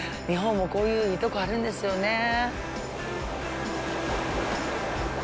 日本も、こういういいとこあるんですよね。